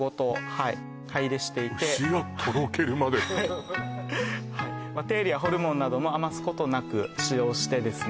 はい買い入れしていて牛がとろけるまでってはいテールやホルモンなども余すことなく使用してですね